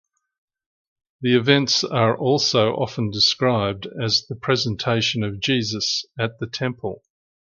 The events are also often described as the "Presentation of Jesus at the Temple".